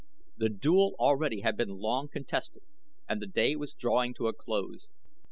The duel already had been long contested and the day was drawing to a close.